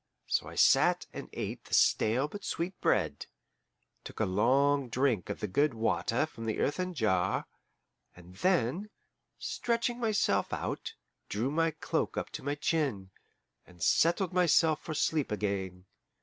So I sat and ate the stale but sweet bread, took a long drink of the good water from the earthen jar, and then, stretching myself out, drew my cloak up to my chin, and settled myself for sleep again.